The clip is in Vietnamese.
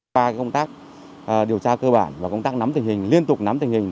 qua công tác điều tra cơ bản và công tác nắm tình hình liên tục nắm tình hình